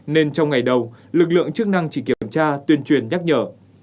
nên trong ngày đầu lực lượng chức năng chỉ kiểm tra tuyên truyền nhắc nhở